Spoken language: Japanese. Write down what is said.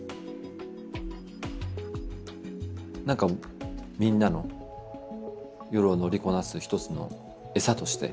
なんかみんなの「夜を乗りこなす」一つの餌として。